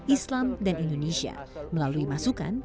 islam dan indonesia melalui masukan